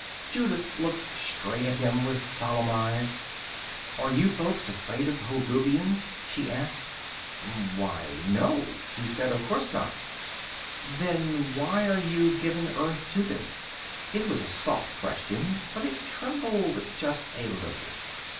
_ Julith looked straight at him with solemn eyes. "Are you folk afraid of Hulduvians?" she asked. "Why, no," he said. "Of course not." "Then why are you giving Earth to them?" It was a soft question, but it trembled just a little.